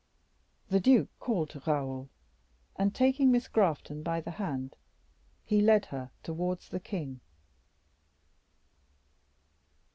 The duke called to Raoul, and taking Miss Grafton by the hand, he led her towards the king.